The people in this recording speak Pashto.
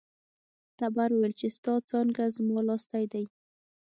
تبر وویل چې ستا څانګه زما لاستی دی.